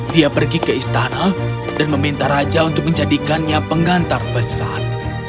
dia pergi ke istana dan meminta raja untuk menjadikannya pengantar besar